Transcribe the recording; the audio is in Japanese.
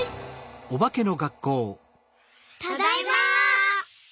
ただいま！